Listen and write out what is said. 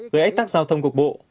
với ách tắc giao thông cục bộ